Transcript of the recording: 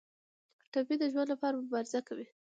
ټپي د ژوند لپاره مبارزه کوي.